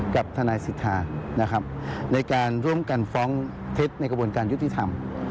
กับทนายสิทธานะครับในการร่วมกันฟ้องเท็จในกระบวนการยุติธรรม